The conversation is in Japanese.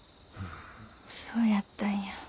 そうやったんや。